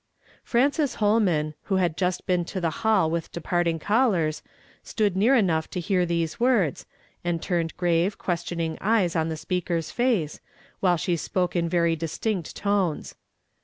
Frances llolnuin, who had just been to the hall with departing callers, stood near enough to hear these words, and turned grave, questioning eyes on the speaker's face, while she spoke in very dis tinct tones.